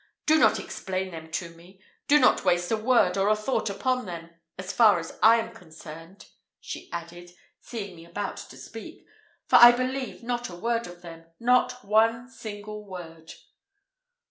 Do not explain them to me do not waste a word or a thought upon them, as far as I am concerned," she added, seeing me about to speak, "for I believe not a word of them not one single word."